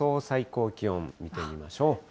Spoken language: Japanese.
最高気温見てみましょう。